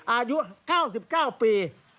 อายุ๙๙ปี